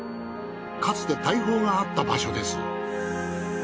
かつて大砲があった場所です。